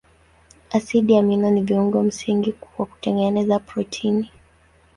Asidi amino ni viungo msingi vya kutengeneza protini.